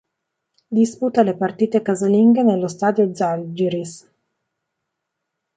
Disputa le partite casalinghe nello Stadio Žalgiris.